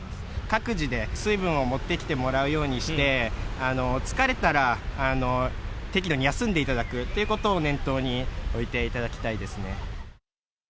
各自で水分を持ってきてもらうようにして、疲れたら、適度に休んでいただくということを念頭に置いていただきたいです